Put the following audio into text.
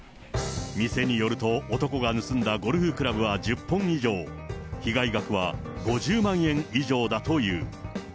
店によると、男が盗んだゴルフクラブは１０本以上、被害額は５０万円以上だという。